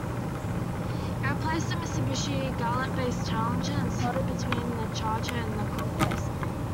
It replaced the Mitsubishi Galant-based Challenger, and slotted between the Charger and the Conquest.